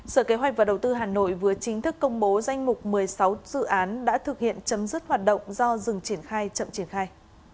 sở kế hoạch và đầu tư hà nội vừa chính thức công bố danh mục một mươi sáu dự án đã thực hiện chấm dứt hoạt động do dừng triển khai chậm triển khai